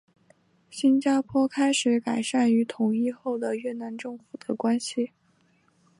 新加坡开始改善与统一后的越南政府的关系。